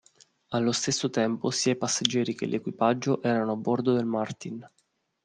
Allo stesso tempo sia i passeggeri che l'equipaggio erano a bordo del Martin.